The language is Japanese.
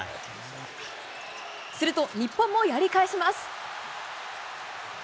すると日本もやり返します。